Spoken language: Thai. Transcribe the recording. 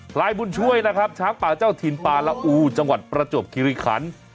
ลายบุญช่วยนะครับช้างป่าเจ้าถิ่นปลาละอูจังหวัดประจวบคิริขัน